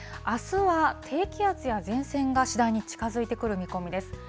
あすは低気圧や前線が次第に近づいてくる見込みです。